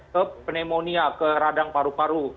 ke pneumonia ke radang paru paru